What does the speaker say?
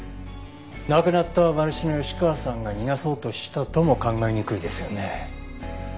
亡くなった馬主の吉川さんが逃がそうとしたとも考えにくいですよね。